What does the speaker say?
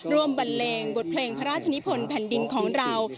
บันเลงบทเพลงพระราชนิพลแผ่นดินของเรา